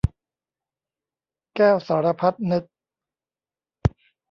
แก้วสารพัดนึก